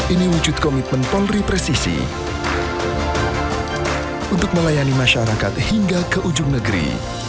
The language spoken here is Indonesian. ini wujud komitmen polri presisi untuk melayani masyarakat hingga ke ujung negeri